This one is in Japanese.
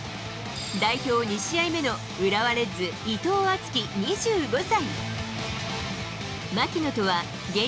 代表２試合目の浦和レッズ、伊藤敦樹２５歳。